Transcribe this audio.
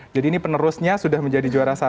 jadi ini penerusnya sudah menjadi juara satu